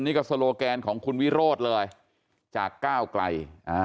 นี่ก็โลแกนของคุณวิโรธเลยจากก้าวไกล